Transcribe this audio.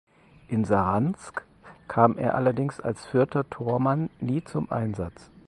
In Saransk kam er allerdings als vierter Tormann nie zum Einsatz.